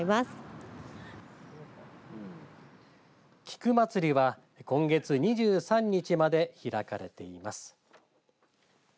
菊まつりは今月２３日まで開かれています。